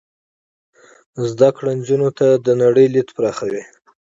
زده کړه نجونو ته د نړۍ لید پراخوي.